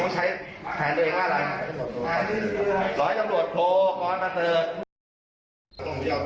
ใช้แทนด้วย๕หลัง